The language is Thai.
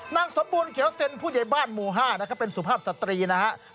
นางสมบูรณเขียวเซ็นผู้ใหญ่บ้านหมู่๕นะครับเป็นสุภาพสตรีนะครับ